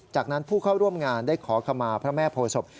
จากนั้นผู้เข้าร่วมงานได้ขอขมาพระแม่โพศพ